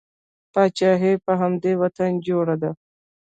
پاچاهي په همدې وطن جوړه ده.